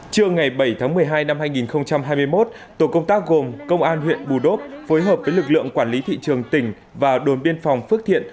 trưa ngày bảy tháng một mươi hai năm hai nghìn hai mươi một tổ công tác gồm công an huyện bù đốp phối hợp với lực lượng quản lý thị trường tỉnh và đồn biên phòng phước thiện